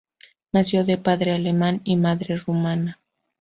Nació de padre alemán y madre rumana.